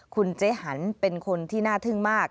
คุณเจ๊หันเป็นคนที่น่าทึ่งมาก